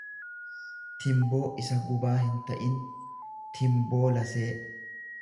timboo isa gubaa hinta'in; Timboo lasee.